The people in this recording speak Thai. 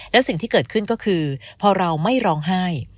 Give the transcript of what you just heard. แล้วสิ่งที่เกิดขึ้นก็คือพอเราไม่ร้องไห้